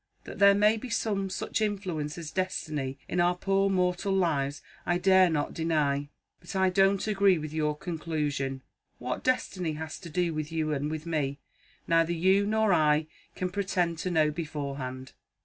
That there may be some such influence as Destiny in our poor mortal lives, I dare not deny. But I don't agree with your conclusion. What Destiny has to do with you and with me, neither you nor I can pretend to know beforehand.